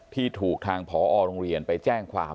ที่ถูกทางผอโรงเรียนไปแจ้งความ